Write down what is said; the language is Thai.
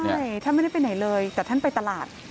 ใช่ท่านไม่ได้ไปไหนเลยแต่ท่านไปตลาด